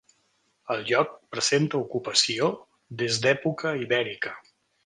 El lloc presenta ocupació des d'època ibèrica.